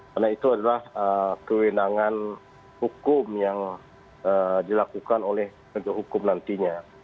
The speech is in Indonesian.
karena itu adalah kewenangan hukum yang dilakukan oleh negara hukum nantinya